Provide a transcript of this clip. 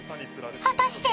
［果たして⁉］